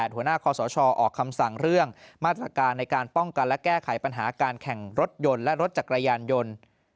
หัวหน้าคอสชออกคำสั่งเรื่องมาตรการในการป้องกันและแก้ไขปัญหาการแข่งรถยนต์และรถจักรยานยนต์